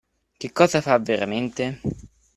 Che cosa fa veramente?